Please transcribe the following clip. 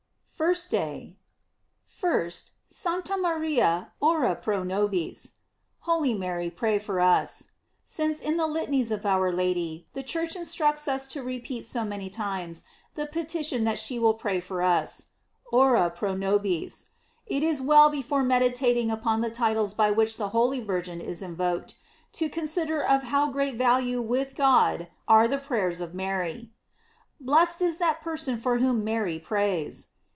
FIRST DAY. 1st. "SANCTA MARIA, ora pro nobis:" Holy Mary, pray for us. Since in the Litanies of our Lady the Church instructs us to repeat so many times the petition that she will pray for us, "Ora pro nobis," it is well before meditating upon the titles by which the holy Virgin is in voked, to consider of how great value with God are the prayers of Mary. Blessed is that per son for whom Mary prays!